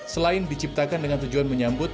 selain diciptakan dengan tujuan menyambut